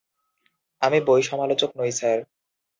আমি বই সমালোচক নই, স্যার।